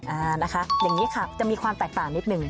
อ่านะคะอย่างนี้ค่ะจะมีความแตกต่างนิดนึง